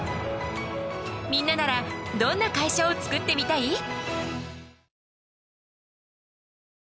みんなならどんな会社を作ってみたい？